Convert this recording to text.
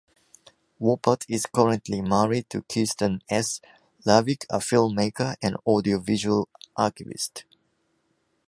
Wopat is currently married to Kirsten S. Larvick, a filmmaker and audiovisual archivist.